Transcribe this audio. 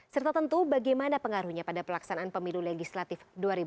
serta tentu bagaimana pengaruhnya pada pelaksanaan pemilu legislatif dua ribu dua puluh